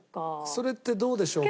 それってどうでしょうか？